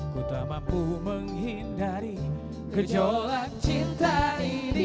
ku tak mampu menghindari gejolak cinta ini